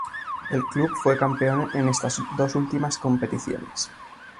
El club fue campeón en estas dos últimas competiciones.